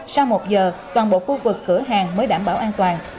sau một giờ toàn bộ khu vực cửa hàng mới đảm bảo an toàn